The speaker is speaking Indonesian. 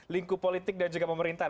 lingku politik dan juga pemerintahan